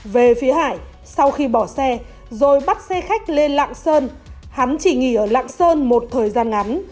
về phía hải sau khi bỏ xe rồi bắt xe khách lên lạng sơn hắn chỉ nghỉ ở lạng sơn một thời gian ngắn